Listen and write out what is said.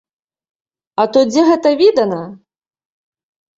А то дзе гэта відана.